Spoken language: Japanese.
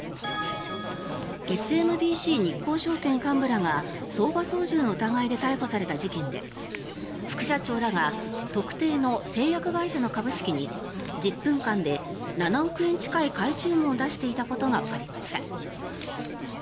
ＳＭＢＣ日興証券幹部らが相場操縦の疑いで逮捕された事件で副社長らが特定の製薬会社の株式に１０分間で７億円近い買い注文を出していたことがわかりました。